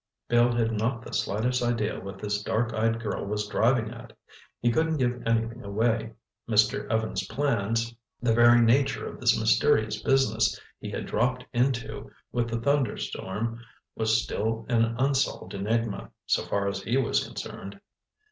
Bill had not the slightest idea what this dark eyed girl was driving at. He couldn't give anything away. Mr. Evans' plans—the very nature of this mysterious business he had dropped into with the thunderstorm was still an unsolved enigma, so far as he was concerned.